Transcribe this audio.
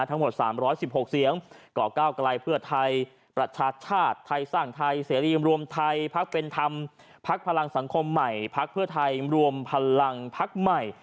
ทั้งหมด๓๑๖เสียงก่อก้าวไกลเพื่อไทยประชาชาติไทยสร้างไทยเสรีรวมไทยพักเป็นธรรมพักพลังสังคมใหม่พักเพื่อไทยรวมพลังพักใหม่